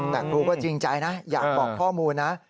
แต่ครูก็จริงใจนะอยากบอกข้อมูลนะ